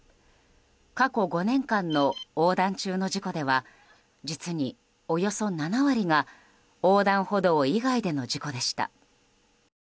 過去５年間の横断中の事故では実におよそ７割が横断歩道以外での事故でした。